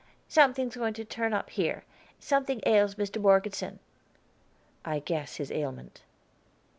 "Something's going to turn up here; something ails Mr. Morgeson." I guess his ailment.